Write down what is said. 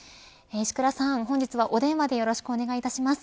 本日はお電話でよろしくお願いいたします。